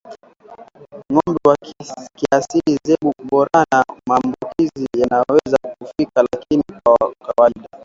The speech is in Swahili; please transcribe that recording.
Ngombe wa kiasili Zebu Borana maambukizi yanaweza kufika lakini kwa kawaida